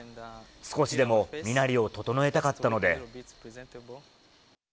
少しでも身なりを整えたかったので。